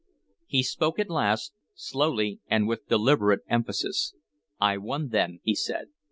He spoke at last, slowly and with deliberate emphasis. "I won then," he said.